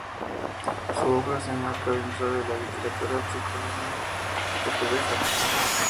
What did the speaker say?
Su obra se enmarca dentro de la literatura poscolonial portuguesa.